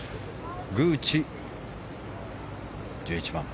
グーチ、１１番。